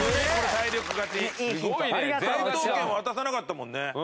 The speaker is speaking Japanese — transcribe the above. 解答権渡さなかったもんね。